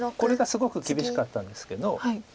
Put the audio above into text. すごく厳しかったんですけど。